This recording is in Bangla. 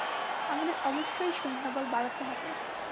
আমাদের অবশ্যই সৈন্যবল বাড়াতে হবে।